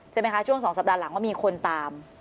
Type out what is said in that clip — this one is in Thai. ใช่ไหมคะช่วง๒สัปดาห์หลังว่ามีคนตาม